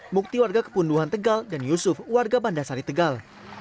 mukti warga kepunduhan tegal dan yusuf warga bandasari tegal